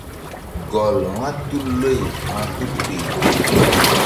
Gɔl vba tul loy vba tul kpeh pi.